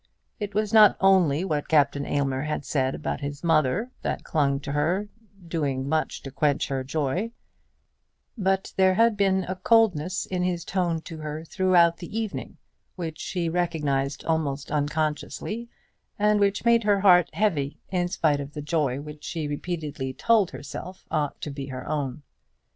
It was not only what Captain Aylmer had said about his mother that clung to her, doing much to quench her joy; but there had been a coldness in his tone to her throughout the evening which she recognised almost unconsciously, and which made her heart heavy in spite of the joy which she repeatedly told herself ought to be her own.